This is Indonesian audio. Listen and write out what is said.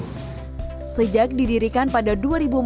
sejak diberi kemampuan fakultas teknik mencari pembinaan yang lebih baik